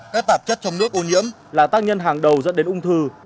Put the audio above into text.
các tạp chất trong nước ô nhiễm là tác nhân hàng đầu dẫn đến ung thư